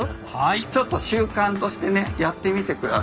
ちょっと習慣としてねやってみて下さい。